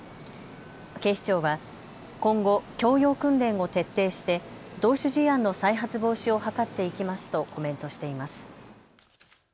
警視庁は今後、教養訓練を徹底して同種事案の再発防止を図っていきますとコメントしています。